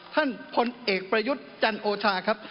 ท่านพลเอกประยุทธ์จันโอชาครับ